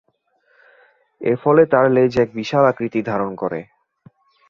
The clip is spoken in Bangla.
এর ফলে তার লেজ এক বিশাল আকৃতি ধারণ করে।